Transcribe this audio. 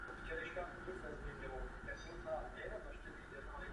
Je to důležitá lesní dřevina Japonska.